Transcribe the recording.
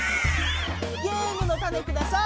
ゲームのタネください！